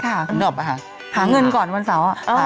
หาเงินก่อนวันเสาร์อะ